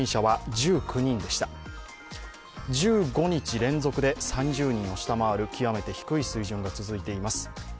１５日連続で３０人を下回る極めて低い水準が続いています。